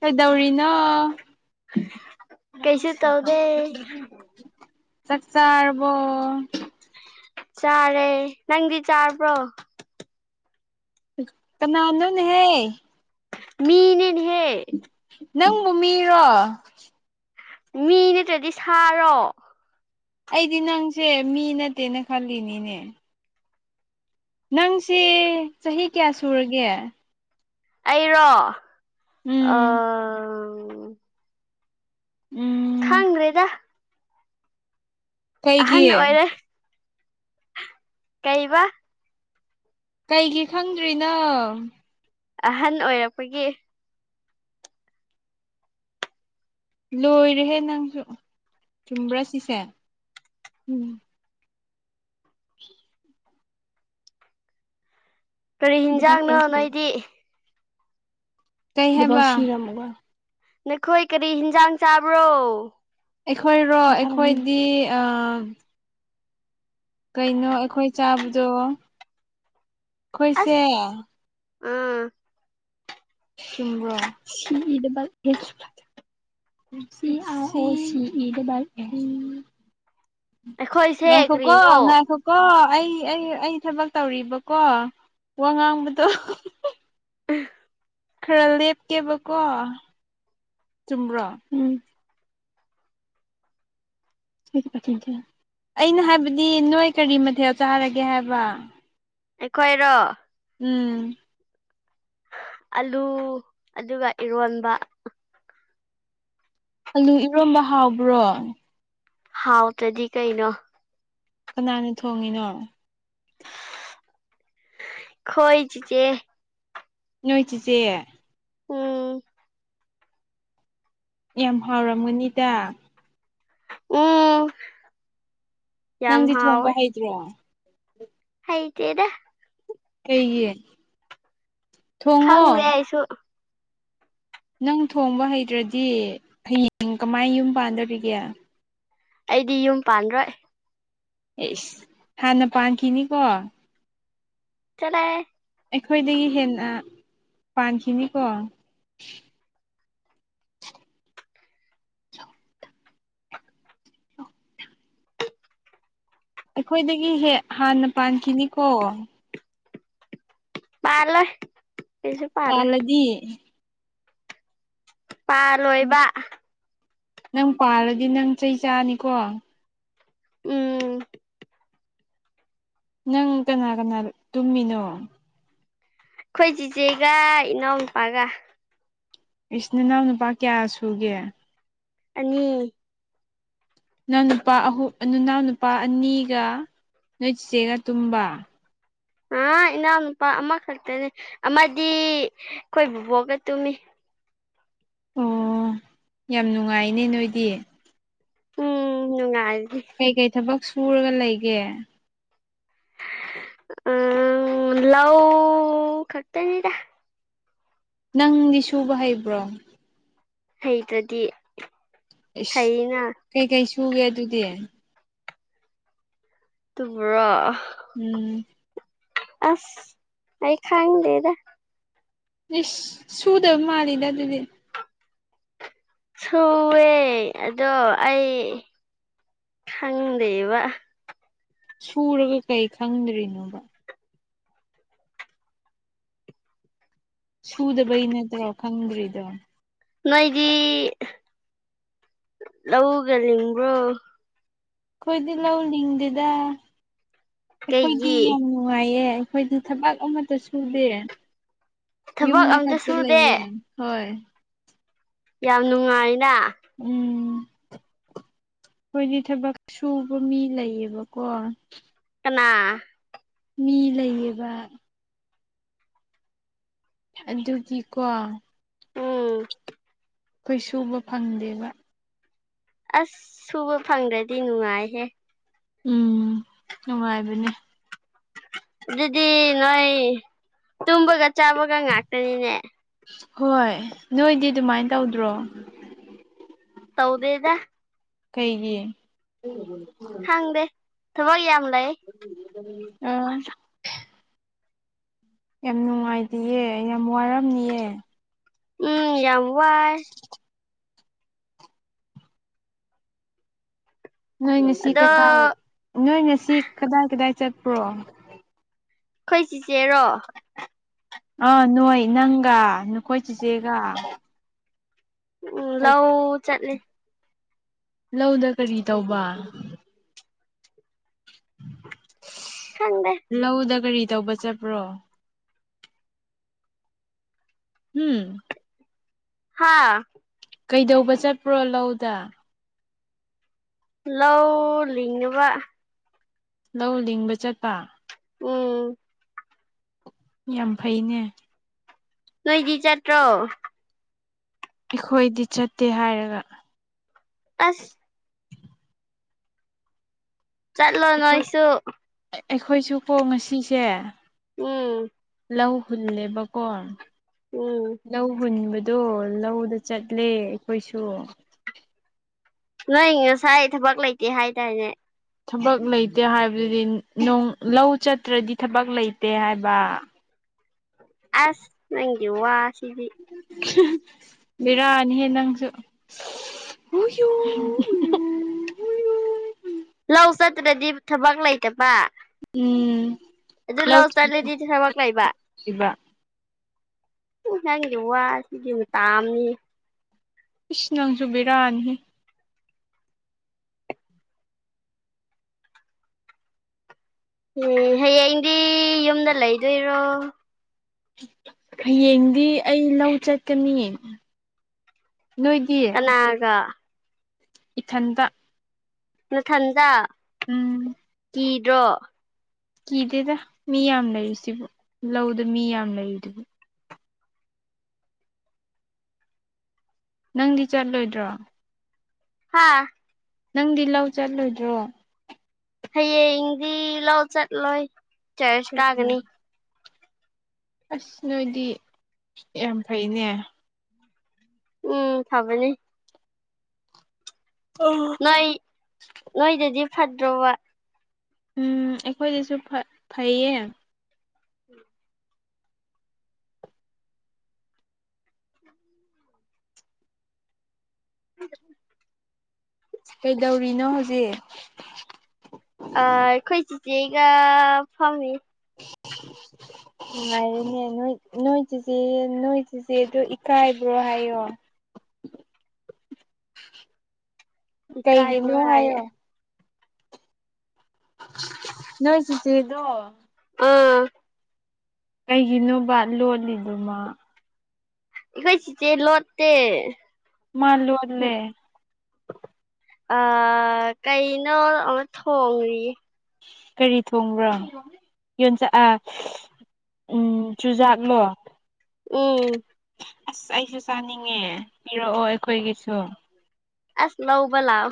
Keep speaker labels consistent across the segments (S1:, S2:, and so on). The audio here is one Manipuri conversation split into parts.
S1: ꯀꯩꯗꯧꯔꯤꯅꯣ
S2: ꯀꯩꯁꯨ ꯇꯧꯗꯦ
S1: ꯆꯥꯛ ꯆꯥꯔꯕꯣ
S2: ꯆꯥꯔꯦ ꯅꯪꯗꯤ ꯆꯥꯕ꯭ꯔꯣ
S1: ꯀꯅꯥꯅꯣꯅꯦꯍꯦ
S2: ꯃꯤꯅꯦꯅꯤꯍꯦ
S1: ꯅꯪꯕꯨ ꯃꯤꯔꯣ
S2: ꯃꯤ ꯅꯠꯇ꯭ꯔꯗꯤ ꯁꯥꯔꯣ
S1: ꯑꯩꯗꯤ ꯅꯪꯁꯦ ꯃꯤ ꯅꯠꯇꯦꯅ ꯈꯜꯂꯤꯅꯤꯅꯦ ꯅꯪꯁꯤ ꯆꯍꯤ ꯀꯌꯥ ꯁꯨꯔꯒꯦ
S2: ꯑꯩꯔꯣ
S1: ꯎꯝ ꯎꯝ
S2: ꯈꯪꯗ꯭ꯔꯦꯗ
S1: ꯀꯩꯒꯤ
S2: ꯑꯍꯟ ꯑꯣꯏꯔꯦ ꯀꯩꯕ
S1: ꯀꯩꯒꯤ ꯈꯪꯗ꯭ꯔꯤꯅꯣ
S2: ꯑꯍꯟ ꯑꯣꯏꯔꯛꯄꯒꯤ
S1: ꯂꯣꯏꯔꯦꯍꯦ ꯅꯪꯁꯨ ꯆꯨꯝꯕ꯭ꯔꯥ ꯁꯤꯁꯦ ꯎꯝ [unintelligible]
S2: ꯀꯔꯤ
S1: ꯗꯕꯜ
S2: ꯍꯤꯟꯖꯥꯡꯅꯣ
S1: ꯑꯦꯁ ꯇꯣ
S2: ꯅꯣꯏꯗꯤ
S1: ꯀꯩ ꯍꯥꯏꯕ
S2: ꯅꯈꯣꯏ ꯀꯔꯤ ꯍꯤꯟꯖꯥꯡ ꯆꯥꯕ꯭ꯔꯣ
S1: ꯑꯩꯈꯣꯏꯔꯣ ꯑꯩꯈꯣꯏꯗꯤ ꯀꯩꯅꯣ ꯑꯩꯈꯣꯏ ꯆꯥꯕꯗꯣ ꯑꯩꯈꯣꯏꯁꯦ
S2: ꯑꯥ
S1: ꯁꯕ꯭ꯔꯣ ꯁꯤ ꯏꯗꯕ ꯁꯤ ꯑꯥꯏ ꯑꯣ ꯁꯤ ꯏ
S2: ꯑꯩꯈꯣꯏꯁꯦ
S1: ꯉꯈ ꯀꯣ
S2: ꯀꯔꯤꯅꯣ
S1: ꯉꯈ ꯀꯣ ꯑꯩ ꯑꯩ ꯑꯩ ꯊꯕꯛ ꯇꯧꯔꯤꯕꯀꯣ ꯋꯥ ꯉꯥꯡꯕꯗꯣ
S2: ꯎꯝ
S1: ꯈꯔ ꯂꯦꯞꯀꯦꯕꯀꯣ ꯆꯨꯝꯕ꯭ꯔꯣ ꯎꯝ ꯊ ꯊꯦꯡꯨ ꯑꯩꯅ ꯍꯥꯏꯕꯗꯤ ꯅꯣꯏ ꯀꯔꯤ ꯃꯊꯦꯜ ꯆꯥꯔꯒꯦ ꯍꯥꯏꯕ
S2: ꯑꯩꯈꯣꯏꯔꯣ
S1: ꯎꯝ
S2: ꯑꯂꯨ ꯑꯗꯨꯒ ꯏꯔꯣꯟꯕ
S1: ꯑꯂꯨ ꯏꯔꯣꯝꯕ ꯍꯥꯎꯕ꯭ꯔꯣ
S2: ꯍꯥꯎꯇꯔꯗꯤ ꯀꯩꯩꯅꯣ
S1: ꯀꯅꯥꯅ ꯊꯣꯡꯉꯤꯅꯣ
S2: ꯈꯣꯏ ꯆꯤꯆꯦ
S1: ꯅꯣꯏ ꯆꯤꯆꯦ
S2: ꯎꯝ
S1: ꯌꯥꯝ ꯍꯥꯎꯔꯝꯒꯅꯤꯗ
S2: ꯎꯝ ꯌꯥꯝ
S1: ꯅꯪꯗꯤ ꯊꯣꯡꯕ ꯍꯩꯇ꯭ꯔꯣ
S2: ꯍꯩ ꯇꯦꯗ
S1: ꯀꯩꯒꯤ ꯊꯣꯡꯉꯣ
S2: ꯈꯪꯗꯦ ꯑꯩꯁꯨ
S1: ꯅꯪ ꯊꯣꯡꯕ ꯍꯩꯇ꯭ꯔꯗꯤ ꯍꯌꯦꯡ ꯀꯃꯥꯏ ꯌꯨꯝ ꯄꯥꯟꯒꯗꯔꯤꯒꯦ
S2: ꯑꯩꯗꯤ ꯌꯨꯝ ꯄꯥꯟ‌ꯔꯣꯏ
S1: ꯑꯦꯁ ꯍꯥꯟꯅ ꯄꯥꯟꯈꯤꯅꯤꯀꯣ
S2: ꯆꯠꯂꯦ
S1: ꯑꯩꯈꯣꯏꯗꯒꯤ ꯍꯦꯟꯅ ꯄꯥꯟꯈꯤꯅꯤꯀꯣ ꯑꯩꯈꯣꯏꯗꯒꯤ ꯍꯦꯛ ꯍꯥꯟꯅ ꯄꯥꯟꯈꯤꯅꯤꯀꯣ
S2: ꯄꯥꯂꯦ
S1: ꯄꯜꯂꯥꯗꯤ ꯎ
S2: ꯄꯥꯜꯂꯣꯏꯕ
S1: ꯅꯪ ꯄꯥꯜꯂꯗꯤ ꯅꯪ ꯆꯩ ꯆꯥꯅꯤꯀꯣ
S2: ꯎꯝ
S1: ꯅꯪ ꯀꯅꯥ ꯀꯅꯥꯒ ꯇꯨꯝꯃꯤꯅꯣ
S2: ꯑꯈꯣꯏ ꯆꯤꯆꯦꯒ ꯏꯅꯥꯎ ꯅꯨꯨꯄꯥꯒ
S1: ꯏꯆꯤꯟ ꯏꯅꯥꯎ ꯅꯨꯄꯥ ꯀꯌꯥ ꯁꯨꯒꯦ
S2: ꯑꯅꯤ
S1: ꯏꯅꯥꯎ ꯅꯨꯄꯥ ꯑꯍꯨꯝ ꯑꯗꯨꯅꯥꯎ ꯅꯨꯄꯥ ꯑꯅꯤꯒ ꯅꯣꯏ ꯆꯤꯆꯦꯒ ꯇꯨꯝꯕ
S2: ꯍꯣꯏ ꯏꯅꯥꯎꯅꯨꯄꯥ ꯑꯃꯈꯛꯇꯅꯦ ꯑꯃꯗꯤ ꯑꯈꯣꯏ ꯕꯕꯣꯛꯒ ꯇꯨꯝꯃꯤ
S1: ꯑꯣ ꯌꯥꯝ ꯅꯨꯡꯉꯥꯏꯅꯦ ꯅꯣꯏꯗꯤ
S2: ꯎꯝ ꯅꯨꯉꯥꯏꯗꯤ
S1: ꯀꯩ ꯀꯩ ꯊꯕꯛ ꯁꯨꯔꯒ ꯂꯩꯒꯦ
S2: ꯑꯝ ꯂꯥꯎ ꯈꯛꯇꯅꯤꯗ
S1: ꯅꯪꯗꯤ ꯁꯨꯕ ꯍꯩꯕ꯭ꯔꯣ
S2: ꯍꯩ ꯇ꯭ꯔꯥꯗꯤ
S1: ꯏꯁꯁ ꯀꯩꯀꯩ ꯁꯨꯒꯦ ꯑꯗꯨꯗꯤ
S2: ꯗꯨꯕꯨꯔꯣ
S1: ꯎꯝ
S2: ꯑꯁ ꯑꯩ ꯈꯥꯡꯗꯦꯗ
S1: ꯏꯁ ꯁꯨꯗꯕ ꯃꯥꯜꯂꯤꯗ ꯑꯗꯨꯗꯤ
S2: ꯁꯨꯑꯦ ꯑꯗꯣ ꯑꯩ ꯈꯪꯗꯦꯕ
S1: ꯁꯨꯔꯒ ꯀꯩ ꯈꯪꯗ꯭ꯔꯤꯅꯣꯕ ꯁꯨꯗꯕꯩ ꯅꯠꯇ꯭ꯔꯣ ꯈꯪꯗ꯭ꯔꯤꯗꯣ
S2: ꯅꯣꯏꯗꯤ ꯂꯧꯒ ꯂꯤꯡꯕ꯭ꯔꯣ
S1: ꯑꯈꯣꯏꯗꯤ ꯂꯧ ꯂꯤꯡꯗꯦꯗ ꯑꯈꯣꯏꯗꯤ
S2: ꯀꯩꯒꯤ
S1: ꯌꯥꯝ ꯅꯨꯡꯉꯥꯏꯌꯦ ꯑꯩꯡꯈꯣꯏꯗꯤ ꯊꯕꯛ ꯑꯃꯇ ꯁꯨꯗꯦ
S2: ꯊꯕꯛ
S1: ꯌꯨꯝꯗ
S2: ꯑꯝꯇ
S1: ꯈꯛꯇ
S2: ꯁꯨꯗꯦ
S1: ꯂꯩꯌꯦ ꯍꯣꯏ
S2: ꯌꯥꯝ ꯅꯨꯡꯉꯥꯏꯅ
S1: ꯎꯝ ꯑꯩꯣꯏꯗꯤ ꯊꯕꯛ ꯁꯨꯕ ꯃꯤ ꯂꯩꯌꯦꯕꯀꯣ
S2: ꯀꯅꯥ
S1: ꯃꯤ ꯂꯩꯌꯦꯕ ꯑꯗꯨꯒꯤꯀꯣ
S2: ꯎꯝ
S1: ꯑꯩꯈꯣꯏ ꯁꯨꯕ ꯐꯪꯗꯦꯕ
S2: ꯑꯁ ꯁꯨꯕ ꯐꯪꯗ꯭ꯔꯗꯤ ꯅꯨꯡꯉꯥꯏꯍꯦ
S1: ꯎꯝ ꯅꯨꯡꯉꯥꯏꯕꯅꯦ
S2: ꯑꯗꯨꯗꯤ ꯅꯣꯏ ꯇꯨꯝꯕꯒ ꯆꯥꯕꯒ ꯉꯥꯛꯇꯅꯤꯅꯦ
S1: ꯍꯣꯏ ꯅꯣꯏꯗꯤ ꯑꯗꯨꯃꯥꯏꯅ ꯇꯧꯗ꯭ꯔꯣ
S2: ꯁꯧꯗꯦꯗ
S1: ꯀꯩꯒꯤ
S2: ꯦ ꯊꯒ ꯌꯥꯝ ꯑꯃ ꯂꯩꯥꯏ
S1: ꯎꯝ ꯌꯥꯝ ꯅꯨꯡꯉꯥꯏꯇꯌꯦ ꯌꯥꯝ ꯋꯥꯔꯝꯅꯤꯑ
S2: ꯎꯝ ꯌꯥꯎ ꯋꯥꯏ
S1: ꯅꯣꯏꯅ ꯁꯤ
S2: ꯑꯗꯣ
S1: ꯀꯩꯀꯥꯏ ꯅꯣꯏꯅ ꯁꯤ ꯀꯗꯥꯏ ꯀꯗꯥꯏ ꯆꯠꯄ꯭ꯔꯣ
S2: ꯑꯩꯣꯏ ꯆꯤꯆꯦꯔꯣ
S1: ꯑꯥ ꯅꯣꯏ ꯅꯪꯒ ꯅꯈꯣꯏ ꯆꯤꯆꯦꯒ
S2: ꯎꯝ ꯂꯋ ꯆꯠꯅꯤ
S1: ꯂꯧꯗ ꯀꯔꯤ ꯇꯧꯕ [inaudible]
S2: ꯑꯗꯦ
S1: ꯂꯧꯗ ꯀꯔꯤ ꯇꯧꯕ ꯆꯠꯄ꯭ꯔꯣ ꯎꯝ
S2: ꯍꯥꯥ
S1: ꯀꯩꯗꯧꯕ ꯆꯠꯄ꯭ꯔꯣ ꯂꯧꯗ
S2: ꯂꯧ ꯂꯤꯡꯉꯕ
S1: ꯂꯧ ꯂꯤꯡꯕ ꯆꯠꯄ
S2: ꯎꯝ
S1: ꯌꯥꯝ ꯐꯩꯅꯦ
S2: ꯅꯣꯏꯗꯤ ꯆꯠꯇ꯭ꯔꯣ
S1: ꯑꯩꯈꯣꯏꯗꯤ ꯆꯠꯇꯦ ꯍꯥꯏꯔꯒ
S2: ꯑꯁ ꯆꯠꯂꯣ ꯅꯣꯣꯏꯁꯨ
S1: ꯑꯩꯈꯣꯏꯁꯨ ꯀꯣ ꯉꯁꯤꯁꯦ
S2: ꯎꯝ
S1: ꯂꯧ ꯍꯨꯜꯂꯦꯕꯀꯣ
S2: ꯎꯝ
S1: ꯂꯧ ꯍꯨꯟꯕꯗꯣ ꯂꯧꯗ ꯆꯠꯂꯦ ꯑꯩꯈꯣꯏꯁꯨ
S2: ꯅꯣꯏ ꯉꯁꯥꯏ ꯊꯕꯛ ꯂꯩꯇꯦ ꯍꯥꯏꯇꯥꯔꯦꯅꯦ
S1: ꯊꯕꯛ ꯂꯩꯇꯦ ꯍꯥꯏꯕꯗꯨꯗꯤ ꯅꯣꯡ ꯂꯧ ꯆꯠꯇ꯭ꯔꯗꯤ ꯊꯕꯛ ꯂꯩꯇꯦ ꯍꯥꯏꯕ
S2: ꯑꯁ ꯅꯪꯒꯤ ꯋꯥ ꯁꯤꯗꯤ
S1: ꯕꯤꯔꯥꯅꯤꯍꯦ ꯅꯪꯁꯨ
S2: ꯂꯧ ꯆꯠꯇ꯭ꯔꯗꯤ ꯊꯕꯛ ꯂꯩꯇꯕ
S1: ꯎꯝ
S2: ꯑꯗꯨ ꯂꯥꯎꯁ ꯇꯠꯂꯗꯤꯗꯤ ꯊꯃꯛꯛꯂ ꯂꯩꯕ
S1: ꯏꯕ
S2: ꯅꯪꯒꯤ ꯋꯥꯁꯤꯗꯤ ꯇꯥꯝꯅꯤ
S1: ꯏꯁꯤꯅꯪꯁꯨꯕꯤꯔꯅꯤꯍ
S2: ꯎꯝ ꯍꯌꯦꯡꯗꯤ ꯌꯨꯝꯗ ꯂꯩꯗꯣꯏꯔꯣ
S1: ꯍꯌꯦꯡꯗꯤ ꯑꯩ ꯂꯧ ꯆꯠꯀꯅꯤ꯫ ꯅꯣꯏꯗꯤ꯫
S2: ꯀꯅꯥꯒ꯫
S1: ꯏꯊꯟꯇ꯫
S2: ꯅ ꯊꯟꯇ꯫
S1: ꯎꯝ
S2: ꯀꯤꯗ꯭ꯔꯣ꯫
S1: ꯀꯤꯗꯦꯗ ꯃꯤ ꯌꯥꯝ ꯂꯩꯔꯤ ꯁꯤꯕꯨ ꯂꯧꯗ ꯃꯤ ꯌꯥꯝ ꯂꯩꯔꯤꯨꯗꯨꯗꯤ꯫ ꯅꯪꯗꯤ ꯆꯠꯂꯣꯏꯗ꯭ꯔꯣ꯫
S2: ꯍꯥꯥ
S1: ꯅꯪꯗꯤ ꯂꯧ ꯆꯠꯂꯣꯏꯗ꯭ꯔꯣ꯫
S2: ꯍꯌꯦꯡꯗꯤ ꯂꯥꯎ ꯆꯠꯂꯣꯏ ꯆꯔꯁ ꯀꯥꯒꯅꯤ꯫
S1: ꯑꯁ ꯅꯣꯏꯗꯤ ꯌꯥꯝ ꯐꯩꯅꯦ꯫
S2: ꯎꯝ ꯐꯕꯅꯦ꯫
S1: ꯑꯥ
S2: ꯅꯣꯏ ꯅꯣꯏꯗꯗꯤ ꯐꯠꯇ꯭ꯔꯣꯕ꯫
S1: ꯎꯝ ꯑꯩꯈꯣꯏꯗꯁꯨ ꯐꯩꯌꯦ꯫
S2: ꯎ [unintelligible]
S1: ꯀꯩꯗꯧꯔꯤꯅꯣ ꯍꯧꯖꯤꯛ꯫
S2: ꯑꯥ ꯑꯩꯈꯣꯏ ꯆꯤꯆꯦꯒ ꯐꯝꯃꯤ꯫
S1: ꯅꯨꯡꯉꯥꯏꯔꯤꯅꯦ ꯅꯣꯏ ꯅꯣꯏ ꯆꯦꯆꯦ ꯅꯣꯏ ꯆꯦꯆꯦꯗ ꯏꯀꯥꯏꯕ꯭ꯔꯣ ꯍꯥꯏꯌꯣ꯫ ꯀꯩꯒꯤꯅꯣ
S2: ꯏꯀꯥꯏꯕ꯭ꯔꯌꯦ꯫
S1: ꯍꯥꯏꯌꯣ ꯅꯣꯏ ꯆꯁꯤꯗꯣ
S2: ꯑꯥ
S1: ꯀꯩꯒꯤꯅꯣꯕ ꯂꯣꯂꯤꯗꯨꯃ꯫
S2: ꯑꯩꯈꯣꯏ ꯆꯤꯆꯦ ꯂꯣꯠꯇꯦ꯫
S1: ꯃꯥꯂꯣꯠꯂꯦ꯫
S2: ꯑ ꯀꯩꯅꯣ ꯑꯃꯨ ꯊꯣꯡꯔꯤꯌꯦ꯫
S1: ꯀꯔꯤ ꯊꯣꯡꯕ꯭ꯔꯣ ꯌꯣꯟꯆꯛꯑ ꯎꯝ ꯆꯨꯖꯥꯛꯂꯣ꯫
S2: ꯎꯝ
S1: ꯑꯁ ꯑꯩꯁꯨ ꯆꯥꯅꯤꯡꯉꯦ ꯄꯤꯔꯛꯑꯣ ꯑꯩꯈꯣꯏꯒꯤꯁꯨ꯫
S2: ꯑꯁ ꯂꯧꯕꯂꯥꯎ꯫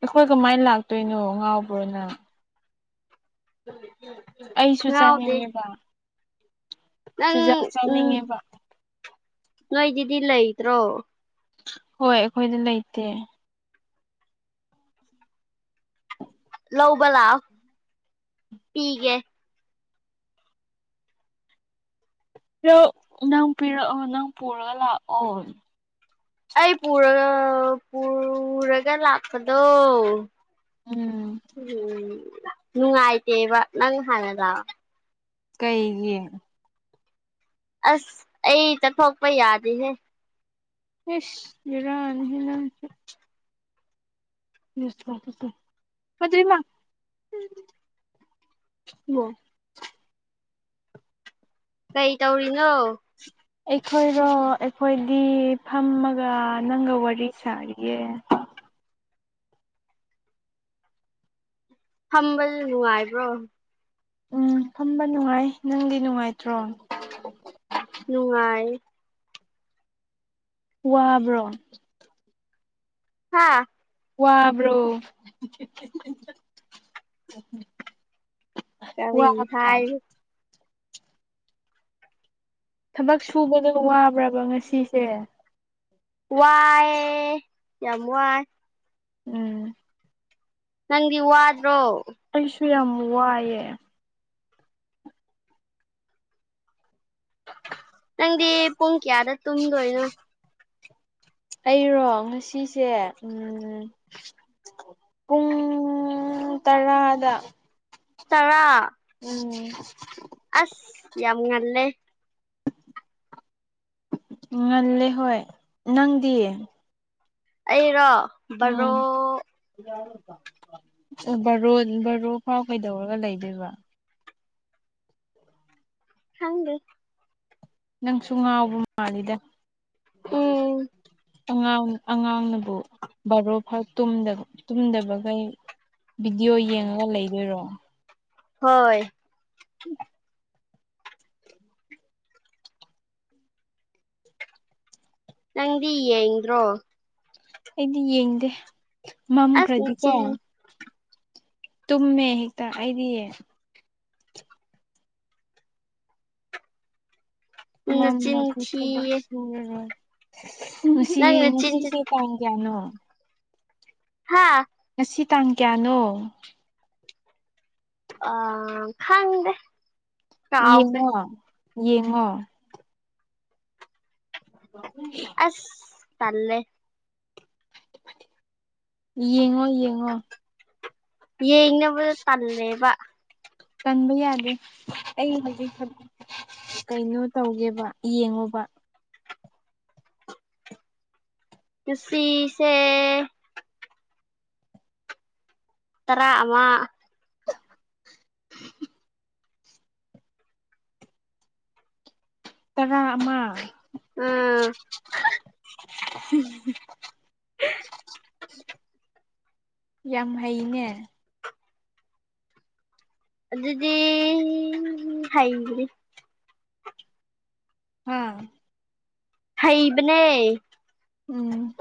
S1: ꯑꯩꯈꯣꯏ ꯀꯃꯥꯏꯅ ꯂꯥꯛꯇꯣꯏꯅꯣ ꯉꯥꯎꯕ꯭ꯔꯣꯅꯪ꯫ ꯑꯩꯁꯨ
S2: ꯉꯥꯎꯗꯦ
S1: ꯆꯥꯅꯤꯡꯉꯦꯕ꯫
S2: ꯅꯪ
S1: ꯆꯨꯖꯥꯛ
S2: ꯎꯝ
S1: ꯆꯥꯅꯤꯡꯉꯦꯕ
S2: ꯅꯣꯏꯒꯤꯗꯤ ꯂꯩꯇ꯭ꯔꯣ꯫
S1: ꯍꯣꯏ ꯑꯩꯈꯣꯏꯗꯤ ꯂꯩꯇꯦ꯫
S2: ꯂꯧꯕ ꯂꯥꯎ ꯄꯤꯒꯦ꯫
S1: ꯄꯤꯔꯛ ꯅꯪ ꯄꯤꯔꯛꯑꯣ ꯅꯪ ꯄꯨꯔꯒ ꯂꯥꯛꯑꯣ꯫
S2: ꯑꯩ ꯄꯨꯔꯒ ꯄꯨꯔꯒ ꯂꯥꯛꯄꯗꯣ
S1: ꯎꯝ
S2: ꯎꯝ ꯅꯨꯡꯉꯥꯏꯇꯦꯕ ꯅꯪ ꯍꯥꯟꯅ ꯂꯥꯛꯑꯦ꯫
S1: ꯀꯩꯒꯤ
S2: ꯑꯁ ꯑꯩ ꯆꯠꯊꯣꯛꯄ ꯌꯥꯗꯦꯍꯦ꯫
S1: ꯏꯁ ꯚꯦꯔꯥꯅꯤ ꯅꯪꯁꯨ꯫ [unintelligible]
S2: ꯀꯩ ꯇꯧꯔꯤꯅꯣ꯫
S1: ꯑꯩꯈꯣꯏꯔꯣ ꯑꯩꯈꯣꯏꯗꯤ ꯐꯝꯃꯒ ꯅꯪꯒ ꯋꯥꯔꯤ ꯁꯥꯔꯤꯌꯦ꯫
S2: ꯍꯝꯕꯁꯨ ꯅꯨꯡꯉꯥꯏꯕ꯭ꯔꯣ꯫
S1: ꯎꯝ ꯐꯝꯕ ꯅꯨꯡꯉꯥꯏ ꯅꯪꯗꯤ ꯅꯨꯡꯉꯥꯏꯇ꯭ꯔꯣ꯫
S2: ꯅꯨꯡꯉꯥꯏ꯫
S1: ꯋꯥꯕ꯭ꯔꯣ
S2: ꯍꯥꯥ
S1: ꯋꯥꯕ꯭ꯔꯣ
S2: ꯀꯔꯤ
S1: ꯋꯥꯕ꯭ꯔꯥ
S2: ꯍꯥꯏ
S1: ꯊꯕꯛ ꯁꯨꯕꯗ ꯋꯥꯕ꯭ꯔꯕ ꯉꯁꯤꯁꯦ
S2: ꯋꯥꯏ ꯌꯥꯝ ꯋꯥꯏ
S1: ꯎꯝ
S2: ꯅꯪꯗꯤ ꯍ ꯋꯥꯗ꯭ꯔꯣ
S1: ꯑꯩꯁꯨ ꯌꯥꯝ ꯋꯥꯏꯑꯦ
S2: ꯅꯪꯗꯤ ꯄꯨꯡ ꯀꯌꯥꯗ ꯇꯨꯝꯗꯣꯏꯅꯣ
S1: ꯑꯩꯔꯣ ꯉꯁꯤꯁꯦ ꯎꯝ ꯄꯨꯡꯨꯡ ꯇꯔꯥꯗ
S2: ꯇꯔꯥ
S1: ꯎꯝ
S2: ꯑꯁ ꯌꯥꯝ ꯉꯜꯂꯦ
S1: ꯉꯜꯂꯦ ꯍꯣꯏ ꯅꯪꯗꯤ
S2: ꯑꯩꯔꯣ ꯕꯔꯣ
S1: ꯕꯔꯣ ꯕꯔꯣ ꯐꯥꯎ ꯀꯩꯗꯧꯔꯒ ꯂꯩꯗꯣꯏꯕ
S2: ꯍꯪꯗꯤ
S1: ꯅꯪꯁꯨ ꯉꯥꯎꯕ ꯃꯥꯜꯂꯤꯗ
S2: ꯎꯝ
S1: ꯑꯉꯥꯡ ꯑꯉꯥꯡꯅꯕꯨ ꯕꯥꯔꯣ ꯐꯔ ꯇꯨꯝꯗꯕꯈꯩ ꯚꯗꯤꯑꯣ ꯌꯦꯡꯉꯒ ꯂꯩꯗꯣꯏꯔꯣ
S2: ꯍꯣꯏ ꯅꯪꯗꯤ ꯌꯦꯡꯗ꯭ꯔꯣ
S1: ꯑꯩꯗꯤ ꯌꯦꯡꯗꯦ
S2: ꯑꯁ
S1: ꯃꯝꯈ꯭ꯔꯗꯤꯀꯣ
S2: ꯅꯆꯤꯟ
S1: ꯇꯨꯝꯃꯦ ꯍꯦꯛꯇ ꯑꯩꯗꯤꯌꯦꯦ ꯃꯝ
S2: ꯅꯆꯤꯟ
S1: ꯃꯒꯤ ꯊ
S2: ꯊꯤꯌꯦ
S1: ꯁꯨꯔ ꯉꯅꯨꯡꯁꯤ
S2: ꯅꯪ ꯅꯆꯤꯟꯁꯦ
S1: ꯉꯅꯨꯡꯁꯤꯁꯦ ꯇꯥꯡ ꯀꯌꯥꯅꯣ
S2: ꯍꯥꯥ
S1: ꯉꯁꯤ ꯇꯥꯡ ꯀꯌꯥꯅꯣ
S2: ꯑ ꯈꯪꯗꯦ ꯀꯥꯎꯈ꯭ꯔꯦ
S1: ꯌꯦꯡꯉꯣ ꯌꯦꯡꯉꯣ ꯀꯊ
S2: ꯑꯁ ꯇꯜꯦ
S1: ꯌꯦꯡꯉꯣ ꯌꯦꯡꯉꯣ
S2: ꯌꯦꯡꯅꯕꯗ ꯇꯜꯂꯦꯕ
S1: ꯀꯟꯕ ꯌꯥꯗꯦ ꯑꯩ ꯍꯧꯖꯤꯛ ꯀꯩꯅꯣ ꯇꯧꯒꯦꯕ ꯌꯦꯡꯉꯣꯕ
S2: ꯄꯨꯟꯁꯤꯁꯦ ꯇꯔꯥ ꯑꯃ
S1: ꯇꯔꯥ ꯑꯃ
S2: ꯎꯝ
S1: [unintelligible] ꯌꯥꯝ ꯍꯩꯅꯦ
S2: ꯑꯗꯨꯗꯤ ꯍꯩꯗꯔ꯭ꯤ
S1: ꯎꯝ
S2: ꯍꯩ ꯕꯅꯦ
S1: ꯎꯝ